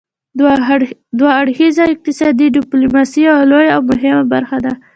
دوه اړخیزه اقتصادي ډیپلوماسي یوه لویه او مهمه برخه ده